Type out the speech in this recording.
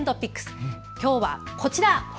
きょうはこちら。